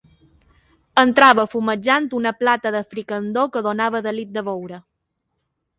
Entrava, fumejant, una plata de fricandó, que donava delit de veure.